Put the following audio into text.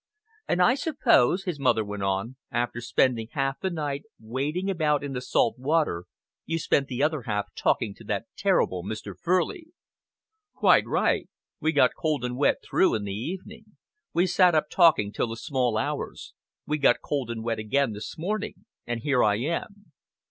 "And I suppose," his mother went on, "after spending half the night wading about in the salt water, you spent the other half talking to that terrible Mr. Furley." "Quite right. We got cold and wet through in the evening; we sat up talking till the small hours; we got cold and wet again this morning and here I am."